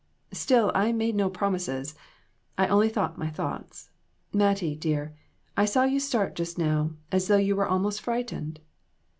Still I made no promises ; I only thought my thoughts. Mattie, dear, I saw you start just now as though you were almost frightened.